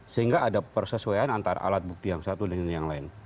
sehingga ada persesuaian antara alat bukti yang satu dengan yang lain